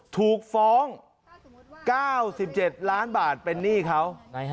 ถูกฟ้อง๙๗ล้านบาทเป็นหนี้เขา